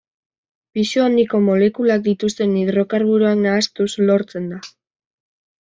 Pisu handiko molekulak dituzten hidrokarburoak nahastuz lortzen da.